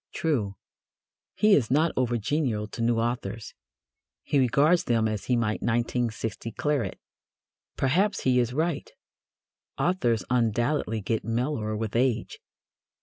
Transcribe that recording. True, he is not over genial to new authors. He regards them as he might 1916 claret. Perhaps he is right. Authors undoubtedly get mellower with age.